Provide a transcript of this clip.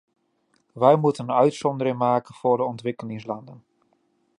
Wij moeten een uitzondering maken voor de ontwikkelingslanden.